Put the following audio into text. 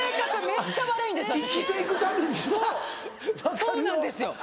そうなんですよ。